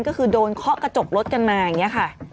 ก็คือโดนเคาะกระจกรถกันมาอย่างนี้ค่ะ